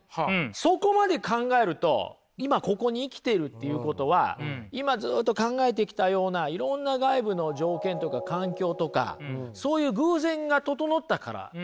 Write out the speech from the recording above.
そこまで考えると今ここに生きているっていうことは今ずっと考えてきたようないろんな外部の条件とか環境とかそういう偶然が整ったからですよね。